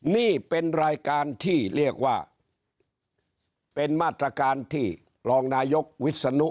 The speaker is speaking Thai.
นี่เป็นรายการที่เรียกว่าเป็นมาตรการที่รองนายกวิศนุ